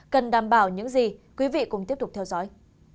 cần đảm bảo những gì quý vị cùng tiếp tục theo dõi